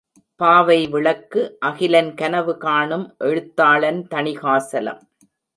பாவை விளக்கு —அகிலன்— கனவு காணும் எழுத்தாளன் தணிகாசலம்.